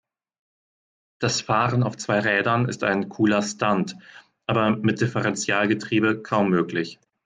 Das Fahren auf zwei Rädern ist ein cooler Stunt, aber mit Differentialgetriebe kaum möglich.